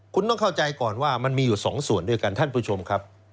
คุณต้องเข้าใจก่อนว่ามันมีอยู่สองส่วนด้วยกันท่านผู้ชมครับ